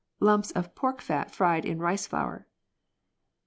Lumps of pork fat fried in rice flour.